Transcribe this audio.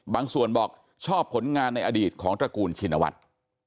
บางส่วนบอกชอบผลงานในอดีตของตระกูลชินวัฒน์